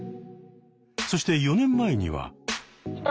そして４年前には。